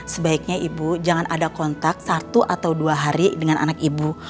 sebaiknya ibu jangan ada kontak satu atau dua hari dengan anak ibu